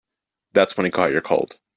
That's when he caught your cold.